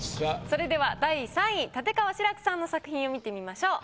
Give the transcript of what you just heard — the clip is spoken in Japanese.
それでは第３位立川志らくさんの作品を見てみましょう。